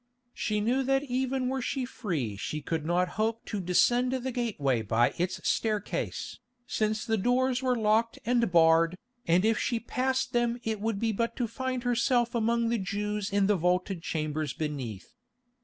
She knew that even were she free she could not hope to descend the gateway by its staircase, since the doors were locked and barred, and if she passed them it would be but to find herself among the Jews in the vaulted chambers beneath.